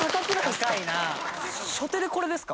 初手でこれですか？